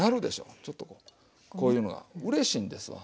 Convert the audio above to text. ちょっとこうこういうのがうれしいんですわ。